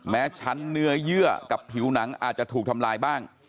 ชั้นเนื้อเยื่อกับผิวหนังอาจจะถูกทำลายบ้าง